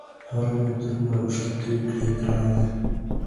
پرون مي دومره اوښكي توى كړې ګراني!